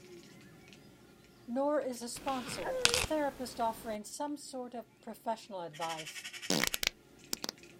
Nor is a sponsor a therapist offering some sort of professional advice.